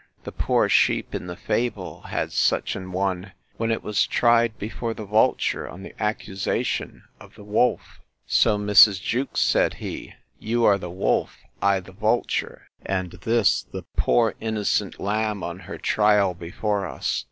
The poor sheep in the fable had such an one; when it was tried before the vulture, on the accusation of the wolf! So, Mrs. Jewkes, said he, you are the wolf, I the vulture, and this the poor innocent lamb on her trial before us.